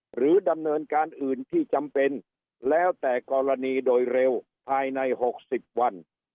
หรือดำเนินการอื่นที่จำเป็นแล้วแต่กรณีโดยเร็วภายใน๖๐วัน